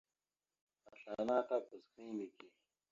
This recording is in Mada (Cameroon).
Asla ana tabaz kini neke.